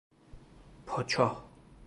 پاچاه